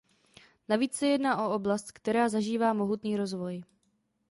Navíc se jedná o oblast, která zažívá mohutný rozvoj.